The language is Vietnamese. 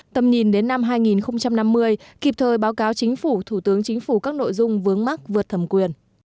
tầm nhìn đến năm hai nghìn năm mươi kịp thời báo cáo chính phủ thủ tướng chính phủ các nội dung vướng mắt vượt thẩm quyền